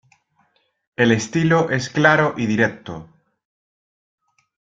El estilo es claro y directo.